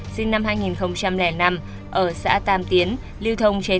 sinh năm hai nghìn năm ở xã tam tiến